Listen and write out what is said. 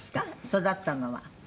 育ったのは。